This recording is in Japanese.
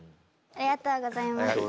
ありがとうございます。